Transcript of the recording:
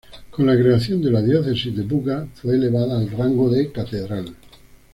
Con la creación de la Diócesis de Buga, fue elevada al rango de catedral.